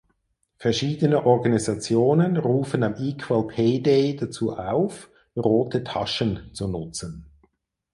Verschiedene Organisationen rufen am "Equal Pay Day" dazu auf rote Taschen zu nutzen.